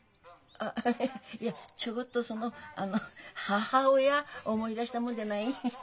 あいやちょごっとその母親思い出したもんでない。